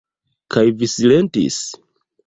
Kaj vi silentis?